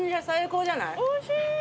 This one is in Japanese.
おいしい！